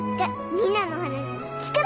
みんなのお話も聞くの！